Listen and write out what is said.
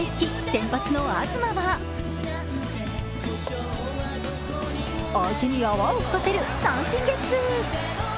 先発の東は、相手に泡を吹かせる三振ゲッツー。